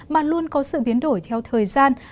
mà luôn có sự biến đổi theo thời gian